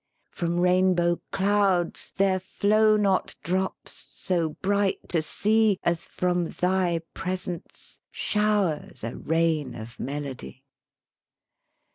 From rainbow clouds there flow not Drops so bright to see As from thy presence showers a rain of melody."